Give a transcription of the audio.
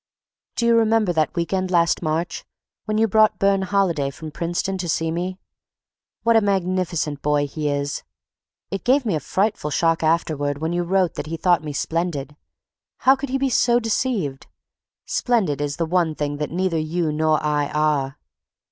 Do you remember that week end last March when you brought Burne Holiday from Princeton to see me? What a magnificent boy he is! It gave me a frightful shock afterward when you wrote that he thought me splendid; how could he be so deceived? Splendid is the one thing that neither you nor I are.